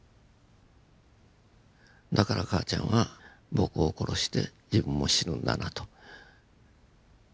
だから母ちゃんは僕を殺して自分も死ぬんだなと。